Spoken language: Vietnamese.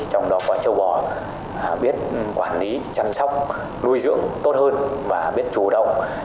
trong đó có châu bò